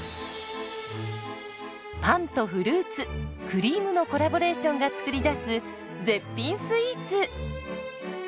パンとフルーツクリームのコラボレーションが作り出す絶品スイーツ。